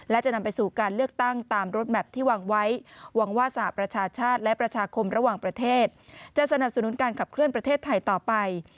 และสนับสนุนการขับเคลื่อนประเทศไทยต่อไป